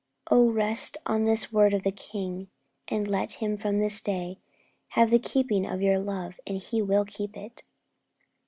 Oh, rest on this word of the King, and let Him from this day have the keeping of your love, and He will keep it!